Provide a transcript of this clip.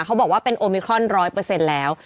เขาบอกว่าเป็นโอมิครอน๑๐๐แล้ว